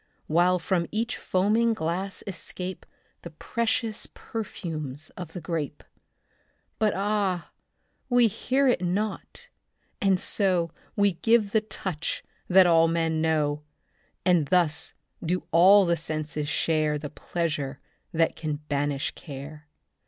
While from each foaming glass escape The precious perfumes of the grape. But ah, we hear it not, and so We give the touch that all men know. And thus do all the senses share The pleasure that can banish care.